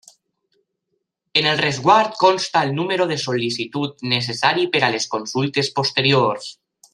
En el resguard consta el número de sol·licitud, necessari per a les consultes posteriors.